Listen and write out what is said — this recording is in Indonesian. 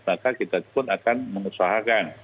maka kita pun akan mengusahakan